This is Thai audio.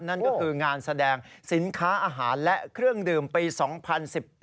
นั่นก็คืองานแสดงสินค้าอาหารและเครื่องดื่มปี๒๐๑๘